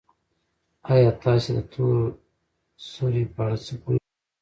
ایا تاسي د تور سوري په اړه څه پوهېږئ؟